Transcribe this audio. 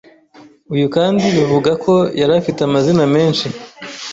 Uyu kandi bivugwa ko yari afite amazina menshi